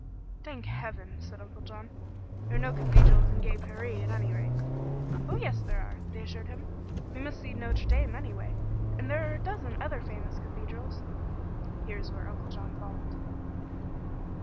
"Thank heaven," said Uncle John, "there are no cathedrals in gay Paree, at any rate." "Oh, yes there are," they assured him. "We must see Notre Dame, anyway; and there are a dozen other famous cathedrals." Here is where Uncle John balked.